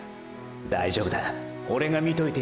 大丈夫だオレが見といてやる。